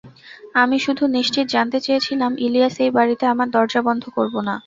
আমি শুধু নিশ্চিত জানতে চেয়েছিলাম ইলিয়াস, এই বাড়িতে আমরা দরজা বন্ধ করব না।